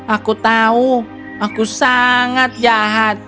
aku tahu aku sangat jahat